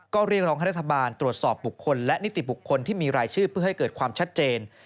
ก็เรียกร้องให้รัฐบาลตรวจสอบบุคคลและนิติบุคคลที่มีรายชื่อเพื่อให้เกิดความชัดเจน